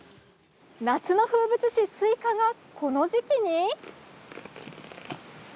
夏の風物詩、スイカがこの時期に？